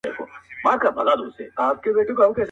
نن بوډا سبا زلمی سم نن خزان سبا بهار یم -